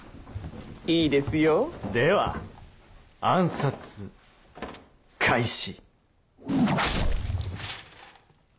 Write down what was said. いいですよでは暗殺開始！